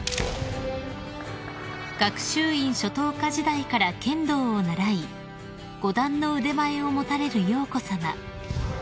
［学習院初等科時代から剣道を習い五段の腕前を持たれる瑶子さま］